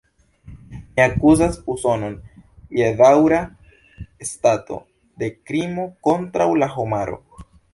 Mi akuzas Usonon je daŭra stato de krimo kontraŭ la homaro.